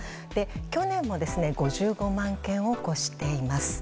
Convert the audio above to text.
去年も、５５万件を超しています。